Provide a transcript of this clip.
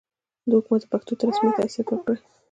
حکومت دې پښتو ته رسمي حیثیت ورکړي.